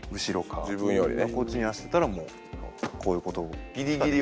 こっちに走ってたらもうこういうこと。